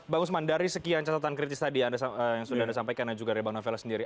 bang usman dari sekian catatan kritis tadi yang sudah anda sampaikan dan juga dari bang novel sendiri